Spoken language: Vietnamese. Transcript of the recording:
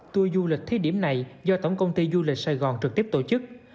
tour du lịch thí điểm này do tổng công ty du lịch sài gòn trực tiếp tổ chức